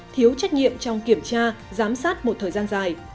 thiếu trách nhiệm trong kiểm tra giám sát một thời gian dài